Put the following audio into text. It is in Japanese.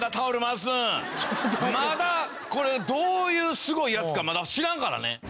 まだこれどういうすごいやつかまだ知らんからね。